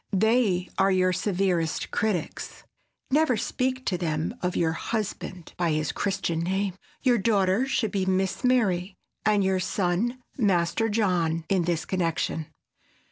They are your severest critics. Never speak to them of your husband by his Christian name. Your daughter should be "Miss Mary" and your son "Master John" in this connection.